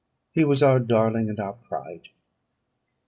he was our darling and our pride!"